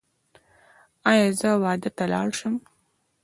ایا زه واده ته لاړ شم؟